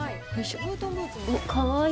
かわいい。